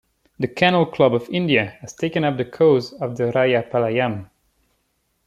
The Kennel Club of India has taken up the cause of the Rajapalayam.